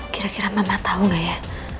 kira kira mama tau gak ya